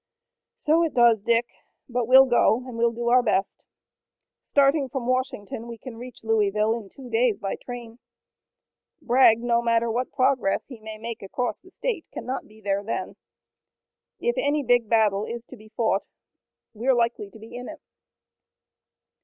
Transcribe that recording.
"So it does, Dick, but we'll go, and we'll do our best. Starting from Washington we can reach Louisville in two days by train. Bragg, no matter what progress he may make across the state, cannot be there then. If any big battle is to be fought we're likely to be in it."